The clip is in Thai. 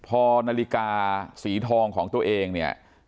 พอนาฬิกาสีทองของตัวเองเนี่ย